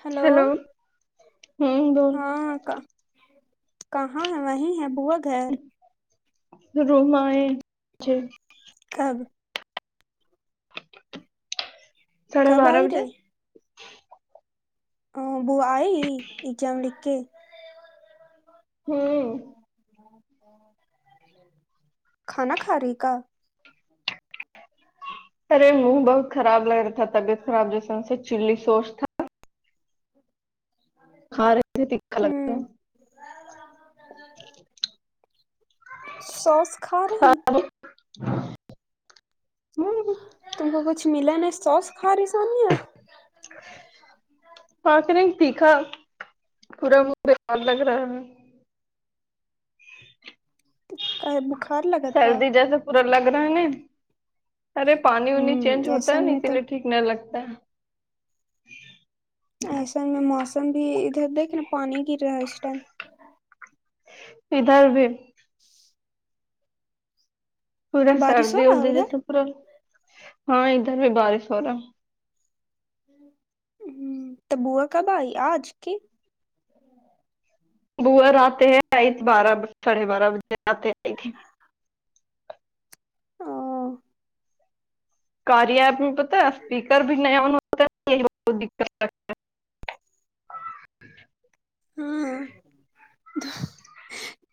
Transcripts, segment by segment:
hello hello ہوں بول ہاںک کہاں ہے وہیں ہے بوا گھر روم ہے کب ساڑے کب بارہ آئی بجے رے ا ب آئی ایگزام لکھ کے ہوں کھانا کھا رہی کا ارے منہ بہت خراب لگ رہا تھا طبیعت خراب جیسے ان سے چلی سوس تھا ہ کھ رہے تھ تکھا لگ رہا سوس کھا رہی ہوں تم کو کچھ ملا ن سوس کھا رہیسانی ہے پک نے دیکھا پورا من لگ رہا ہے کہ بخار لگا تھا سردی جیسے پورا لگ رہا ہے ن ارے پانی وانی ہوں چینج ہوتا ہے ایسن نا میں اسی تو لیے ٹھیک نہیں لگتا ہے ایسا میں موسم بھی ادھر دیکھ نا پانی گرا ہے اسس ٹائم ادھر بھی [unintelligible] پورا بارش ہو سردی رہا ہے اردی ادھر جیسے پورا ہاں ادھر بھی بارش ہو رہا ہے ہ ت بووا کب آئی آج کی بووا آتے ہے آئی بارہ ساڑھے بارہ بجے آتے ہیں آئی تھک ہاں کی ایپ نہیں پتا اسپیکر بھی نیا ہونا د ہے ہ ہاں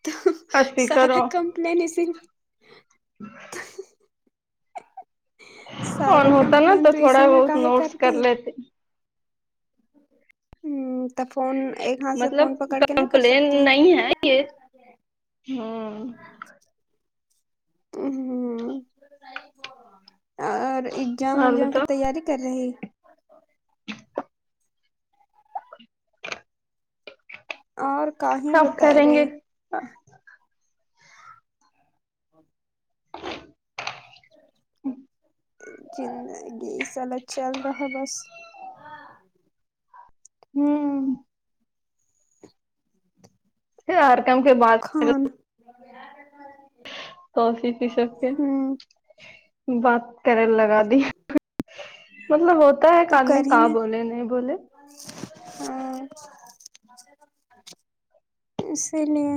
تو اسپیکر سارا کم آن ل ن س [inaudible] فن سارا ہوتا نا کمپلین تو تھوڑا اسی میں بہت کاہے نوٹس کر کرتی ہ لیتے ہ ت فون ایک ہاتھ سے مطلب فون پکڑ کے نہیں کر کمپلین سکتے ہ نہیں ہے یہ ہوں [unintelligible] تو اور اگزام اور اگزام کی بتاؤ تیاری کر رہی [unintelligible] اور کہیں آپ بت کریں رہے گے زندگی سالگ چل رہا بس ہوں [unintelligible] خان توی پی سب کے ہ بات کر لگا د مطلب ہوتا ہے ایک آدمی کہاں بولے نہیں بولے ہاں اسی لیے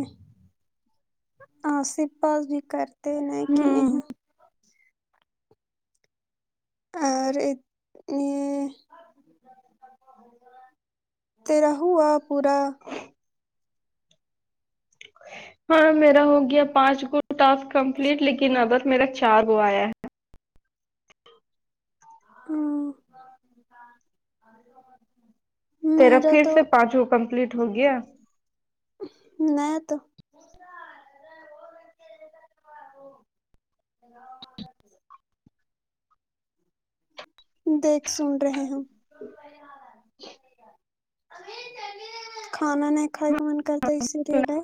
ہاں سپاس بھی کرتے ن کہ ہوں اور یہ تیرا ہووا پورا ہاں میرا ہو گیا پانچ گو ٹسک کمپلیٹ لیکن ابر میرا چار گو آیا ہے ہوں تیرا پھر سے پانچ وہ کمپلیٹ ہو گیا نہیںیا تو دیکھ سن رہے ہیں جی کھانا نہیں کھائے کا من کرتا اسی لیے ل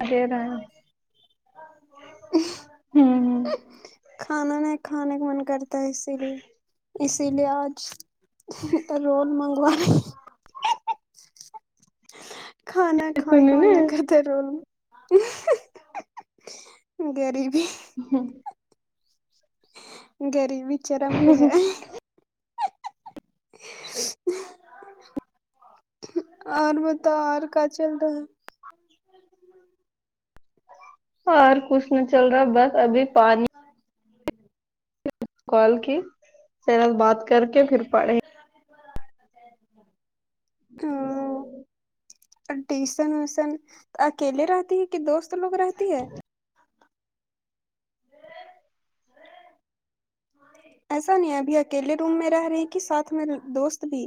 ہوں کھانا نہیں کھانے کا من کرتا ہے اسی لیے اسی لیے آج تو رول منگوان کھانا کھائے سنی کے منع نا کر ول گریبی ہاں گریبی چرم پہ ہے اور بتاؤ اور کیا چل رہا ہے اور کچھ نہیں چل رہا بس ابھی پانی کال کی س بات کر کے پھر پڑھے تو ٹیوشن ویوسن اکیلے رہتی ہے کہ دوست لوگ رہتی ہے ایسا نہیں ابھی اکیلے روم میں رہ رہے کہ ساتھ میں دوست بھی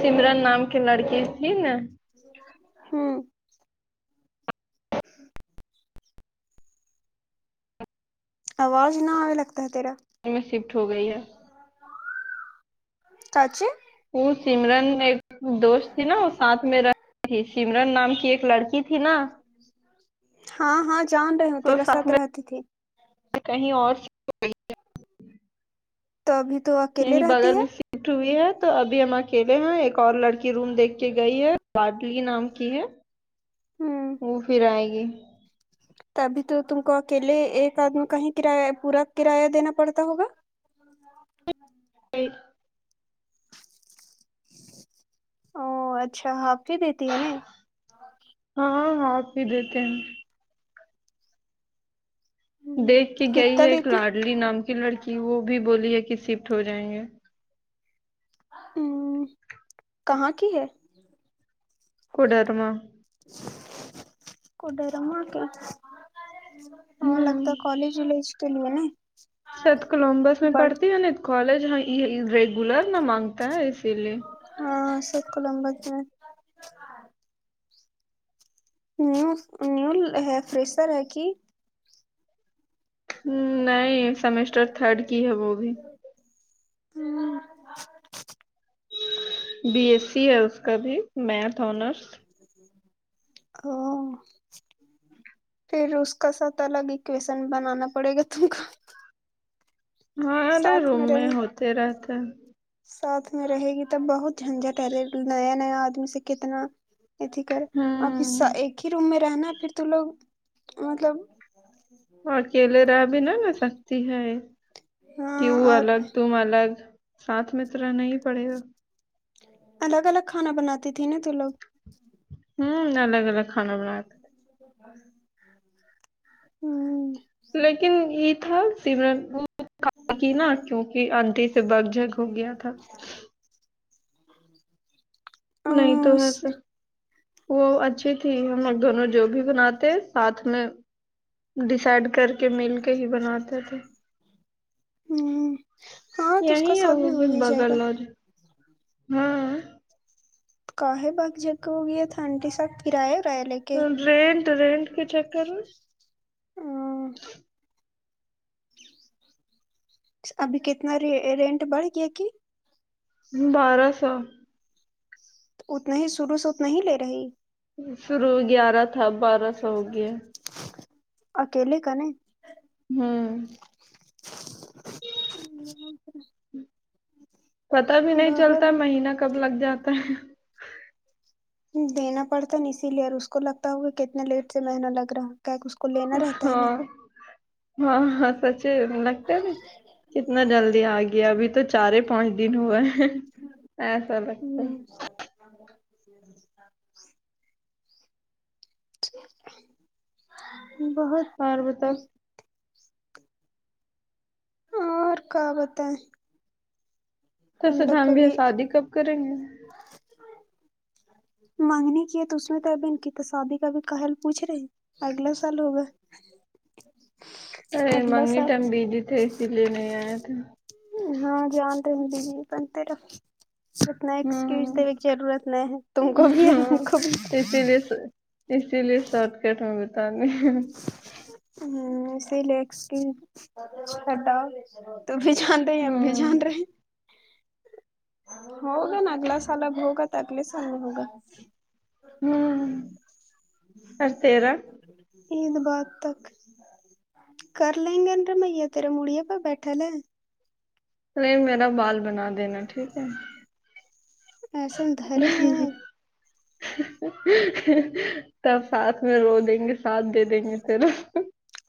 سمرن نام کے لڑکی تھی نا ہاں آواز ن آ لگتا ہے تیرا میں شفٹ ہو گئی ہے چچی وہ سمرن ایک دوست تھی نا ساتھ میں رہ ت سمرن نام کی ایک لڑکی تھی نا ہاں ہاں جان رہے ہوتے تو رسات ساتھ میں رہتی تھی کہیں اور گ تو ابھی تو اکیلے یہیں بغل رہتی میں ہے چٹ ہوئی ہے تو ابھی ہم اکیلے ہیں ایک اور لڑکی روم دیکھ کے گئی ہے ب نام کی ہے ہوں وہ پھر آئے گی ابھی تو تم کو اکیلے ایک آدمی کا ہی کرایہ پورا کرایہ دینا پڑتا ہوگا عغ او اچھا ہاف ہی دیتی ہے نا ہاںاں آ آپ ہی دیتے ہیں ہوں، دیکھ کے گئی کتنا ہے ایک لیتی لاڈلی نام کی لڑکی وہ بھی بولی ہے کہ شفٹ ہو جائیں گے ہ کہاں کی ہے کڈرما کڈے ر مول کے وہ ہوں لگتا ہے کالج وج کے لیے نا سرت کولمبس میں بڑ پڑھتی ہے ن کالج ہاں یہ ریگولر نہ مانگتا ہے اسی لیے ہاں ست کو للمب میں نیو نیو ہے فریشر ہے کہ ہ نہیںائ سمیسر تھرڈ کی ہب وہ بھی ہوں بی ایس سی ہے اس کا بھی میتھ آنرس ہو پھر اس کا ساتھ الگ اکویشن بنانا پڑے گا تم کو ہاں ارے ساتھ روم میں رہے ہوتے رہتے ہیں ساتھ میں رہے گی ت بہت جھنجٹہرے نیا نیا آدمی سے کتنا ا ا ہوں ایک ہی روم میں رہنا پھر تو لوگ مطلب اکیلے رہاہ بھی نہ ہو سکتی ہے کہ ہاں وہ اور الگ تم الگ ساتھ میں تو رہنا پڑے گا الگ الگ کھانا بناتی تھی نا تو لوگ ہوں الگ الگ کھانا بناتا ہ ہوں لیکن یہ تھا سمرن وہ کی نا کیونکہ انٹیھی سے بگ جھگ ہو گیا تھا ہ نہیں تو بس وہ اچھی تھی ہم لوگ دونوں جو بھی بناتے ساتھ میں ڈسائڈ کر کے مل کے ہی بناتے تھے ہوں یہی ہے وہ بھی بغل گا اور ہاں کااہے با جگ ہو گی ہے تھنڈی ساتب پرایا کر لگ رینٹ رینٹ کے چیکر ہ ہ [unintelligible] ابھی کتنا رینٹ بڑھ گیا کہ بارہ سو اتنا ہی شروع سے اتنا ہی لے رہی شروع گیارہ تھا بارہ سو ہو گیا آک ل کان [unintelligible] ہوں [unintelligible] ہ [inaudible] پتا بھی نہیں چلتا مہینہ کب لگ جاتا ہے دینا پڑتا نا اسی لیے اور اس کو لگتا ہوگا کہ کتنے لیٹ سے مہینہ لگ رہا ہے کیا ک اسکول [unintelligible] ہاں ہاں ہاں سچ [unintelligible] کتنا جلدی آ گیا ابھی تو چار پانچ دن ہوئے ہے ہاں س لگتے [unintelligible] ا [unintelligible] بہت اور بتاو کیا بتائیں تو سد لوگ ہم بھی کبھی شادی کب کریں گے مانگنی کی تو اس میں تو ابھی ان کی شادی کا بھی کہل پوچ رہے اگلے سال ہوگا ارے اگلا منگی ت سال ہم بیزی تھے اسی لیے میں آیا تھا ہاں جانتے ہیں بزی تھے اتنا ایکسکیوز ہوں دینے کی ضرورت نہیں ہے تم کو بھی اور ہم ہاں کو بھی [unintelligible] اسی لیے شارٹ کٹ میں بتانے ہیں ہمم اسی لیےٹا تو بھی ج ہم بھی ہوں جان رہے ہیں ہوگ ن اگلہ سال بھی ہوگات اگلیے سال میں ہوگا ہمم کرتے رہے عید بد تک کر لیں گے نا رمیا تیرے مڑیے پ بیٹھا لے نہیں میرا بال بنا دینا ٹھیک ہے ایسا دھریں گے نا [inaudible] تب ساتھ میں رو دیں گے ساتھ دے دیں گے پھر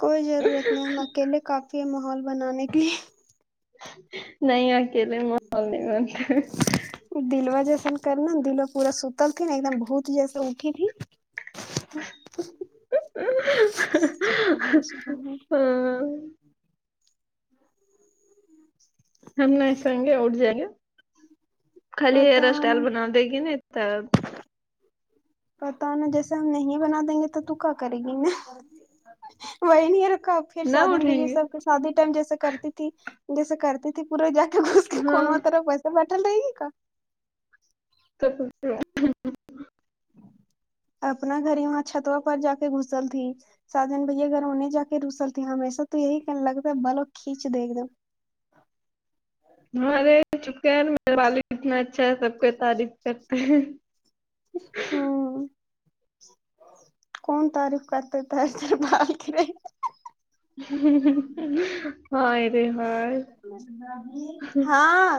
کوئی ضرورت نہیں ہم اکیلے کافی ہے ماحول بنانے کے لیے نہیں اکیلے محول نہیں بنتا ہے دلوا جیسا کرناا دلوا پورا ستل تھی نا ایک دم بھوت جیسے اٹھی تھی [inaudible] [unintelligible] ہاں، ہم نہیں سگے اٹ جائے گا خالی ہیئر پتا اسٹائل نہیں بنا دے گی نہ پتا نا جیسے ہم نہیں بنا دیں گے تو تو کیا کرے گی وہی نہیں رکھا پھر نہ ساادن بھ اٹھیں یہ گے سب شادی ٹائم جیسے کرتی تھی جیسے کرتی ت پورا جا کے بس کے ہاں کنو تارا پیسہ پٹال لے گی کا [unintelligible] [inaudible] اپنا گھر ہی وہاں چھتوا پر جا کے گھسل تھی ساادن بھیا گھر انہیں جا کے رسلتے ہمیشہ تو یہی کہ لگتا ہے بل اور کھینچ دیک ایک دم ہمارے چک میرے وال اتنا اچھا ہے سب کو تعریف کرتے ہیں ہوں کون تعریف کرتے تھ بالے ہاں اک ہاں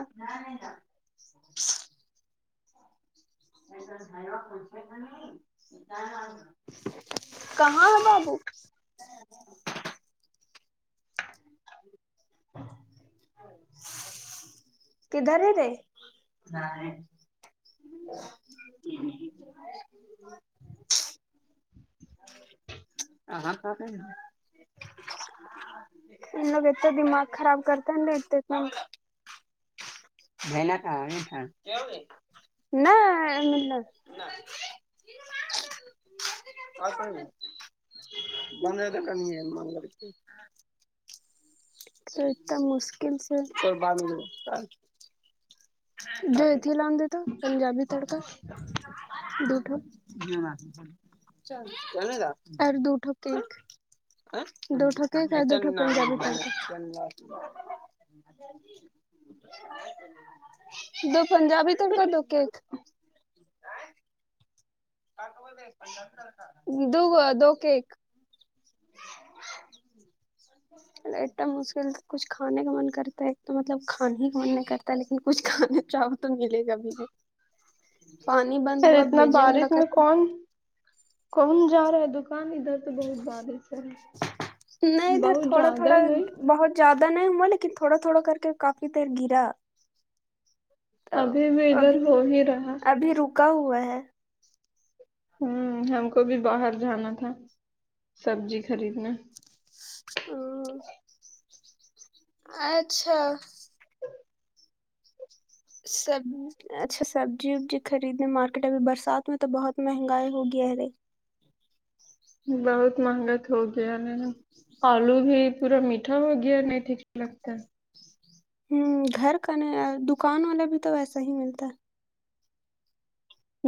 [unintelligible] کہاں ہے بابو کدھرے رے [inaudible] [inaudible] ان لوگ ات دما خراب کرتاین اتت ن [unintelligible] [unintelligible] [inaudible] [unintelligible] تو اتنا مشکل سے کرا ملتا جوت ہی لن دیتا پنجابی تڑتا [unintelligible] چل چلے گا اور دوٹھ کیک [unintelligible] [inaudible] دو پنجابی تڑکا دو کیک دو کیک ا تو مشکل تو کچھ کھانے کا من کرتا ہے ایک تو مطلب کھانے ہی کا من نہیں کرتا ہے لیکن کچھ کھانے چاہو تو ملے گا بھی پانی بند ارے ہوا اتنا بھیجے بارش اکر میں کون کون جا رہا ہے دکان ادھر تو بہت بارس نہیں ہے ادھر بہت تھوڑا تھوڑا زیادہ نہیں بہت زیادہ نہیں ہوا لیکن تھوڑا تھوڑا کر کے کافی دیر گرا ا ابھی بھی ابھی ادھر ہو ہی رہا ابھی رکا ہوا ہے ہوں ہم کو بھی باہر جانا تھا سبزی خریدنے [unintelligible] اچھا سب اچھا سبزی وبزی خریدنے مارکیٹ ابھی برسات میں تو بہت مہنگائی ہو گیا ہےرھائی بہت مہنگا تو ہو گیا ن آلو بھی پورا میٹ اھا ہو گیا نہیں ٹیک لگتا ہ گھر کا نہیں دکان والا بھی تو ویسا ہی ملتا ہے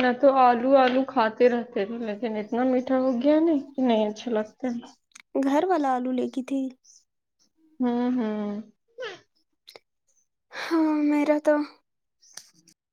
نہ تو آلو آلو کھاتے رہتے تھے لیکن اتنا میٹھا ہو گیا نہیں کہ نہیں اچھا لگتا ہے گھر والا آلو لے کی تھی ہمم ہمم ہاں میرا تو